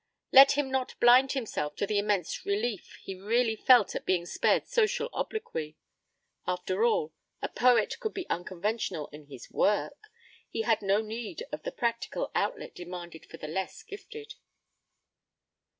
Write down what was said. Let him not blind himself to the immense relief he really felt at being spared social obloquy. After all, a poet could be unconventional in his work he had no need of the practical outlet demanded for the less gifted.